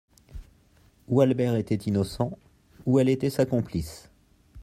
Ou Albert était innocent, ou elle était sa complice.